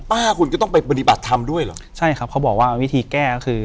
ป้าคุณก็ต้องไปปฏิบัติธรรมด้วยเหรอใช่ครับเขาบอกว่าวิธีแก้ก็คือ